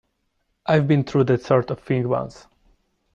I've been through that sort of thing once.